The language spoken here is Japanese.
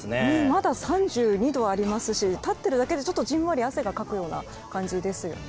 まだ３２度ありますし立っているだけでちょっと、じんわり汗をかくような感じですよね。